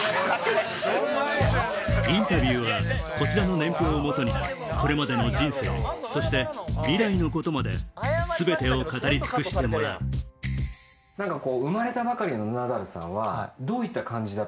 インタビューはこちらの年表を基にこれまでの人生そして未来のことまで全てを語り尽くしてもらう３人きょうだいの長男言いたくないんですか？